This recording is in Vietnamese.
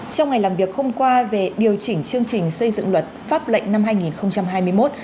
trong ngày làm việc hôm qua về điều chỉnh chương trình xây dựng luật pháp lệnh năm hai nghìn hai mươi một